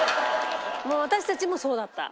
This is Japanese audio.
もう私たちもそうだった。